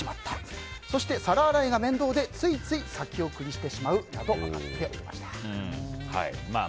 そして、皿洗いが面倒でついつい先送りしてしまう、などまあ